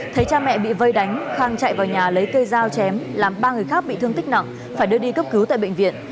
thấy cha mẹ bị vây đánh khang chạy vào nhà lấy cây dao chém làm ba người khác bị thương tích nặng phải đưa đi cấp cứu tại bệnh viện